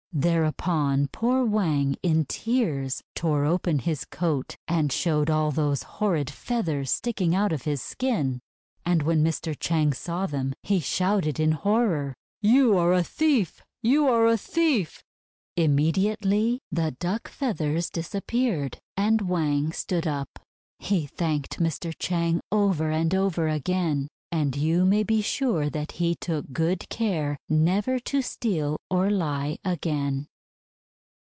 Thereupon poor WTang, in tears, tore open his coat, and showed all those horrid feathers stick ing out of his skin. And when Mr. Chang saw them, he shouted in horror: — THE POTATO CHOOSING BOY 355 "You are a thief ! You are a thief !' Immediately the duck feathers disappeared, and Wang stood up. He thanked Mr. Chang over and over again; and you may be sure that he took good care never to steal or lie again.